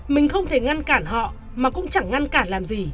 mình không thể ngăn cản họ mà cũng chẳng ngăn cản làm gì